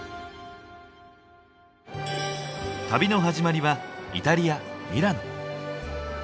旅の始まりはイタリア・ミラノ。